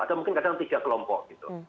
ada mungkin kadang kadang tiga kelompok gitu